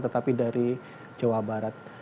tetapi dari jawa barat